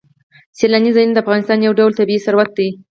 سیلاني ځایونه د افغانستان یو ډول طبعي ثروت دی.